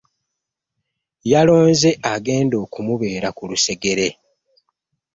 Yalonze agenda okumubeera ku lusegere.